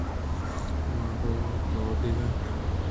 من گوں تو ڈیکّ وراں